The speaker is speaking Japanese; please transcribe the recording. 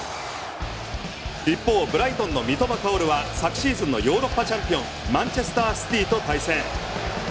一方、ブライトンの三笘薫は昨シーズンのヨーロッパチャンピオンマンチェスター・シティーと対戦。